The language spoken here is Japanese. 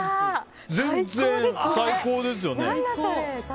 全然、最高ですよね。